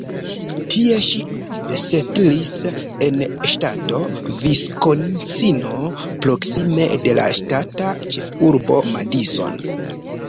Tie ŝi setlis en ŝtato Viskonsino proksime de la ŝtata ĉefurbo Madison.